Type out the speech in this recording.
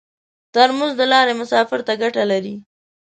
ترموز د لارې مسافر ته ګټه لري.